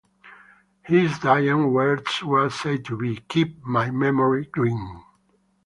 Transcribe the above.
His dying words were said to be, Keep my memory green.